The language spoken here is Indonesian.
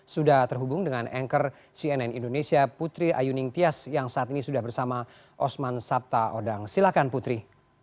sudah terhubung dengan anchor cnn indonesia putri ayuning tias yang saat ini sudah bersama osman sabta odang silakan putri